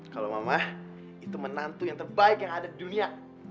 kalau mama itu menantu yang terbaik yang ada di dunia